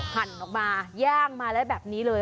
หั่นออกมาย่างมาแล้วแบบนี้เลย